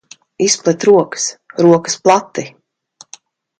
Izplet rokas. Rokas plati!